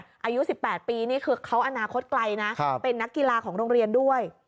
อายุ๑๘ปีนี่คือเขาอนาคตไกลนะเป็นนักกีฬาของโรงเรียนด้วย